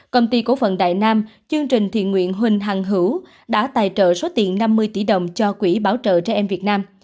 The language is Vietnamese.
công ty cổ phận đại nam chương trình thiện nguyện huỳnh hàng hữu đã tài trợ số tiền năm mươi tỷ đồng cho quỹ bảo trợ trẻ em việt nam